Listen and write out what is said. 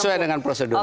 sesuai dengan prosedurnya